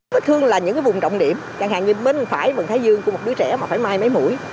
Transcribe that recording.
vết thương là những vùng trọng điểm chẳng hạn như bên phải bằng thái dương của một đứa trẻ mà phải mai mấy mũi